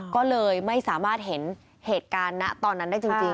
ก็เลยไม่สามารถเห็นเหตุการณ์ณตอนนั้นได้จริง